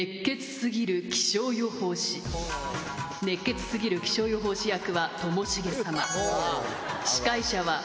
「熱血すぎる気象予報士」。